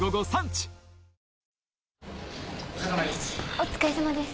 お疲れさまです。